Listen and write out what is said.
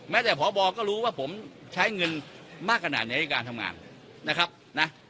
แม้แต่พบก็รู้ว่าผมใช้เงินมากกระดาษในการทำงานนะครับนะ